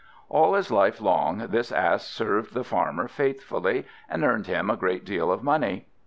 All his life long, this Ass served the Farmer faithfully, and earned him a great deal of money.